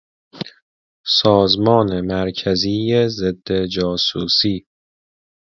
سازمان مرکزی ضدجاسوسی